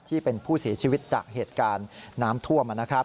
ที่เป็นผู้เสียชีวิตจากเหตุการณ์น้ำท่วมนะครับ